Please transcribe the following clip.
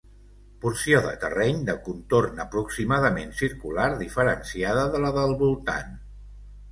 Porció de terreny de contorn aproximadament circular diferenciada de la del voltant.